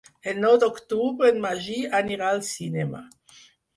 El nou d'octubre en Magí anirà al cinema.